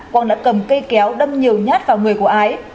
quang đã cầm cây kéo đâm nhiều nhát vào người của ái